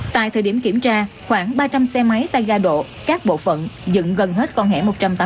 tại thời điểm kiểm tra khoảng ba trăm linh xe máy tay ga độ các bộ phận dựng gần hết con hẻ một trăm tám mươi